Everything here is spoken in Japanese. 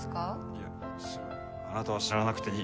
いやそのあなたは知らなくていい。